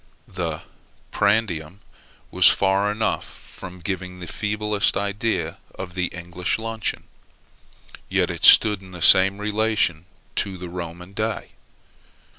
The prandium was far enough from giving the feeblest idea of the English luncheon; yet it stood in the same relation to the Roman day.